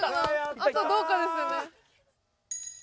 あとどうかですよね。